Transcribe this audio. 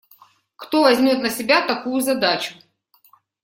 Кто возьмет на себя такую задачу?